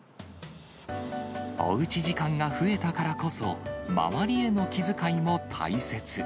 おうち時間が増えたからこそ、周りへの気遣いも大切。